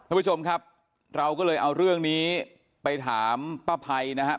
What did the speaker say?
คุณผู้ชมครับเราก็เลยเอาเรื่องนี้ไปถามป้าภัยนะครับ